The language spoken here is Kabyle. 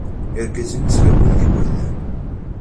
Irgazen d tlawin d yigerdan.